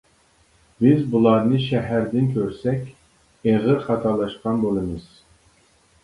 بىز بۇلارنى شەھەردىن كۆرسەك ئېغىر خاتالاشقان بولىمىز.